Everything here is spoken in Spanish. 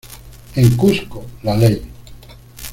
En Cusco: La Ley.